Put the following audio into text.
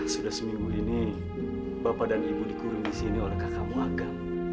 sudah seminggu ini bapak dan ibu dikurung di sini oleh kakakmuaga